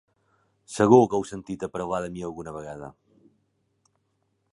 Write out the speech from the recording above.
Segur que heu sentit a parlar de mi alguna vegada.